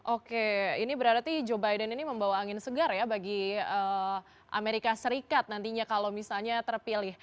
oke ini berarti joe biden ini membawa angin segar ya bagi amerika serikat nantinya kalau misalnya terpilih